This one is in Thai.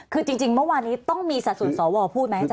คือจริงเมื่อวานนี้ต้องมีสัดส่วนสวพูดไหมอาจา